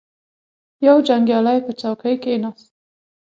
یو جنګیالی په چوکۍ کښیناست.